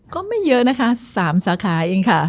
ก็ไม่เยอะนะคะ๓สาขาเองค่ะ